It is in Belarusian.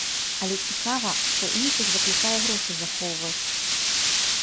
Але цікава, што іншых заклікае грошы захоўваць.